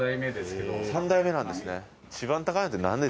三代目なんですね。